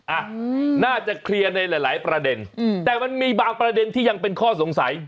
อ่ะน่าจะเคลียร์ในหลายหลายประเด็นอืมแต่มันมีบางประเด็นที่ยังเป็นข้อสงสัย